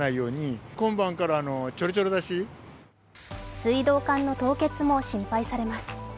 水道管の凍結も心配されます。